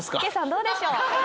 どうでしょう？